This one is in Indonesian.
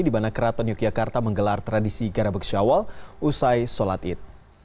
di mana kraton yogyakarta menggelar tradisi garabeg syawal usai solatid